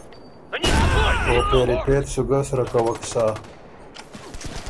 او پېری پېڅ سُو ګۀ سرۀ کوَک سَۀ۔